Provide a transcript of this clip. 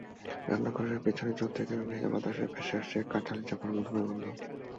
রান্না ঘরের পেছনের ঝোপ থেকে ভেজা বাতাসে ভেসে আসছে কাঁঠালিচাঁপার মধুময় গন্ধ।